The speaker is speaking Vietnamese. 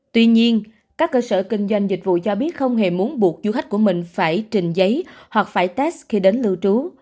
tuy nhiên các cơ sở kinh doanh dịch vụ cho biết không hề muốn buộc du khách của mình phải trình giấy hoặc phải test khi đến lưu trú